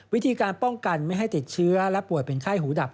วิธีการป้องกันไม่ให้ติดเชื้อและป่วยเป็นไข้หูดับ